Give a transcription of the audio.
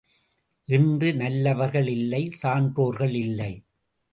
இன்று நல்லவர்கள் இல்லை, சான்றோர்கள் இல்லை!